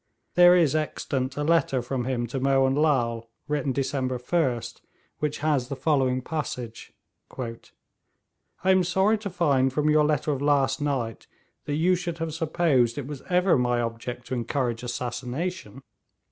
There is extant a letter from him to Mohun Lal, written December 1st, which has the following passage: 'I am sorry to find from your letter of last night that you should have supposed it was ever my object to encourage assassination.